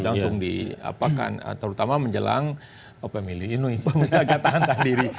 langsung di terutama menjelang pemilih ini pemilih yang tahan tak diri